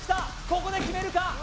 ここで決めるか？